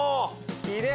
きれい。